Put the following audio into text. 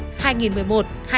thực tế cho thấy